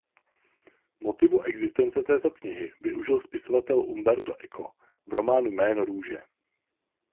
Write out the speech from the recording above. Motivu existence této knihy využil spisovatel Umberto Eco v románu Jméno růže.